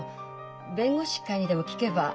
弁護士会にでも聞けば。